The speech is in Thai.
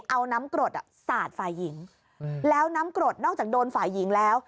เอาน้ำกรดสาดฝ่ายหญิงแล้วน้ำกรดนอกจากโดนฝ่ายหญิงแล้ว